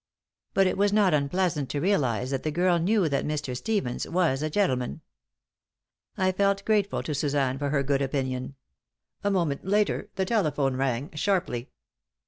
But it was not unpleasant to realize that the girl knew that Mr. Stevens was a gentleman. I felt grateful to Suzanne for her good opinion. A moment later, the telephone rang, sharply.